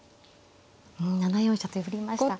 ７四飛車と寄りました。